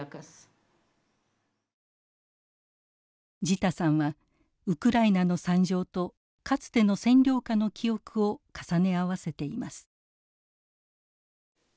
ジタさんはウクライナの惨状とかつての占領下の記憶を重ね合わせています。